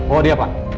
oh dia pak